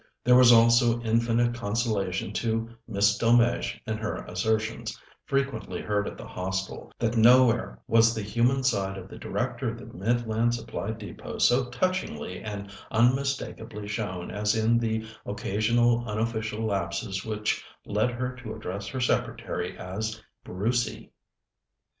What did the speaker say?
There was also infinite consolation to Miss Delmege in her assertions, frequently heard at the Hostel, that nowhere was the human side of the Director of the Midland Supply Depôt so touchingly and unmistakably shown as in the occasional unofficial lapses which led her to address her secretary as "Brucey."